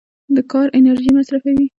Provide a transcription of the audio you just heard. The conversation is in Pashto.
د کار انرژي مصرفوي.